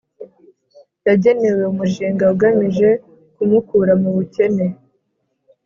yagenewe Umushinga Ugamije kumukura mu bukene